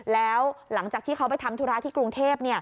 แล้วหลังจากที่เขาไปทำธุระที่กรุงเทพ